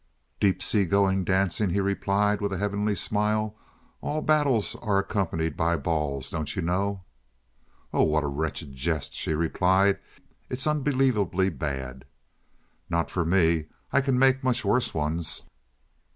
"Deep sea going dancing," he replied, with a heavenly smile. "All battles are accompanied by balls, don't you know?" "Oh, what a wretched jest!" she replied. "It's unbelievably bad." "Not for me. I can make much worse ones."